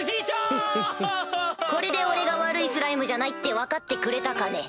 フッフッフッこれで俺が悪いスライムじゃないって分かってくれたかね？